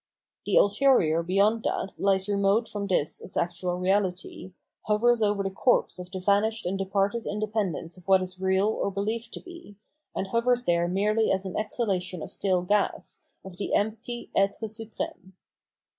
The ulterior beyond that lies remote from this its actual reality. 596 Phenomenology of Mini hovers over the corpse of the vanished and departed independence of what is real or beheved to be, and hovera there merely as an exhalation of stale gas, of the empty etre snyrtme.